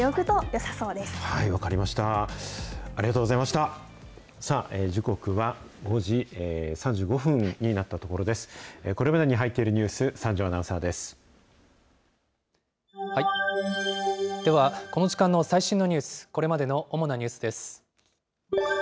これまでに入っているニュース、では、この時間の最新のニュース、これまでの主なニュースです。